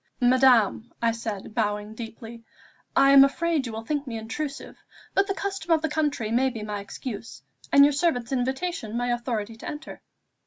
"Madame," said I, bowing deeply, "I am afraid you will think me intrusive, but the custom of the country may be my excuse, and your servant's invitation my authority to enter."